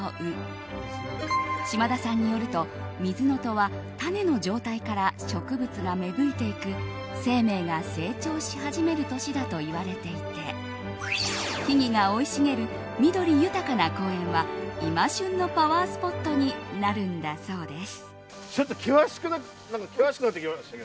島田さんによると、癸は種の状態から植物が芽吹いていく生命が成長し始める年だといわれていて木々が生い茂る緑豊かな公園は今旬のパワースポットになるんだそうです。